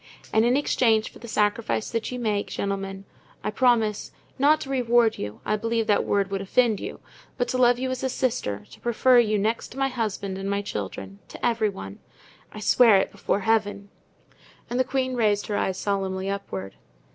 And in exchange for the sacrifice that you make, gentlemen, I promise—not to reward you, I believe that word would offend you—but to love you as a sister, to prefer you, next to my husband and my children, to every one. I swear it before Heaven." And the queen raised her eyes solemnly upward.